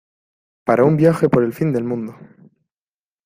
para un viaje por el fin del mundo